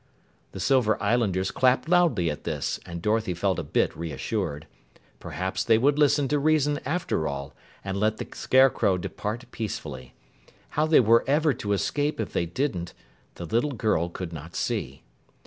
The Silver Islanders clapped loudly at this, and Dorothy felt a bit reassured. Perhaps they would listen to reason after all and let the Scarecrow depart peacefully. How they were ever to escape if they didn't, the little girl could not see.